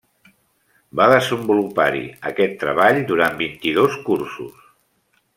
Va desenvolupar-hi aquest treball durant vint-i-dos cursos.